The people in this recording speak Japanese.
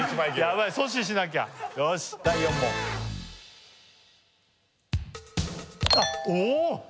ヤバい阻止しなきゃよし第４問あっおお！